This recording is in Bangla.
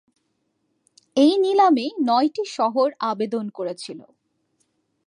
এই নিলামে নয়টি শহর আবেদন করেছিল।